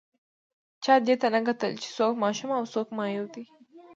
چا دې ته نه کتل چې څوک ماشوم او څوک معیوب دی